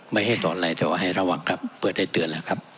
ไม่ให้สอนอะไรแต่ว่าให้ระวังครับเปิดได้เตือนแล้วครับ